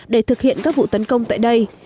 để thực hiện các vụ tấn công tại đây